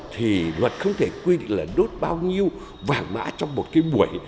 thì luật không thể quy định là đốt bao nhiêu vàng mã trong một cái buổi